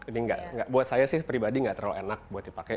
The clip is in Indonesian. ini buat saya sih pribadi nggak terlalu enak buat dipakai